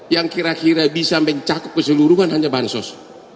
yang kira kira bisa mencakup keseluruhan hanya bansos